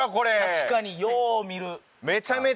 確かによう見る。